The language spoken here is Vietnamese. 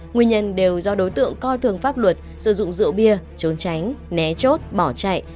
nguyên nhân đều do đối tượng coi thường pháp luật sử dụng rượu bia trốn tránh né chốt bỏ chạy